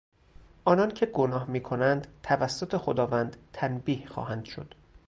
آنان که گناه میکنند توسط خداوند تنبیه خواهند شد.